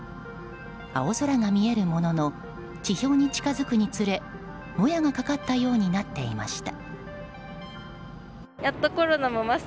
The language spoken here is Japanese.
青空が見えるものの地表に近づくにつれもやがかかったようになっていました。